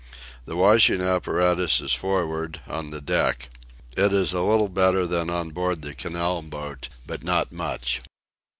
The washing apparatus is forward, on the deck. It is a little better than on board the canal boat, but not much.